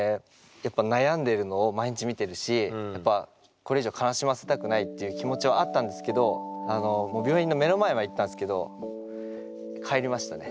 やっぱ悩んでるのを毎日見てるしやっぱっていう気持ちはあったんですけどもう病院の目の前まで行ったんですけど帰りましたね。